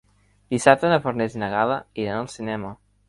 Dissabte na Farners i na Gal·la iran al cinema.